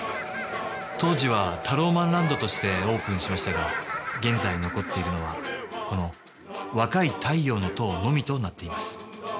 当時はタローマンランドとしてオープンしましたが現在残っているのはこの「若い太陽の塔」のみとなっています。